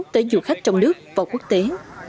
tới du khách trong nước và quốc tế